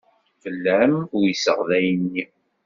Fell-am uyseɣ dayen-nni.